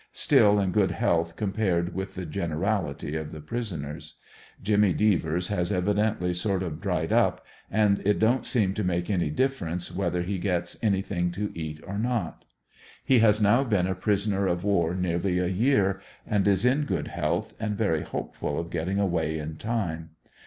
Sti.l in good health compared with the gene ralit}^ of the prisoners. Jimmy Devers has evidently sort of dried up, and it don't seem to make any difference whether he gets any thing to eat or not. He has now been a prisoner of war nearly a year, and is in good health and very hopeful of getting away in time.